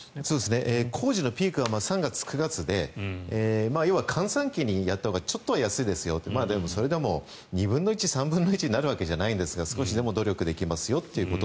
工事のピークは３月、９月で要は閑散期にやったほうがちょっとは安いですよとでも、それでも２分の１３分の１になるわけじゃないですが少しでも努力できますよと。